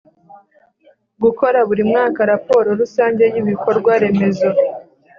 gukora buri mwaka raporo rusange y ibikorwa remezo